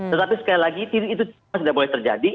tetapi sekali lagi itu tidak boleh terjadi